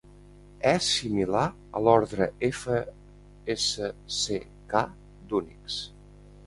És similar a l'ordre fsck d'Unix.